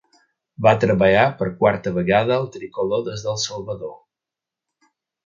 Va treballar per quarta vegada al "Tricolor" des del Salvador.